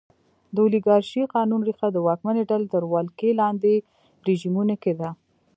د اولیګارشۍ قانون ریښه د واکمنې ډلې تر ولکې لاندې رژیمونو کې ده.